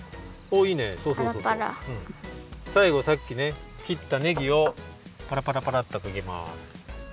さいごさっきねきったネギをパラパラパラッとかけます。